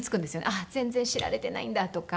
あっ全然知られていないんだとか。